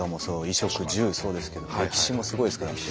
衣食住そうですけど歴史もすごいですけど。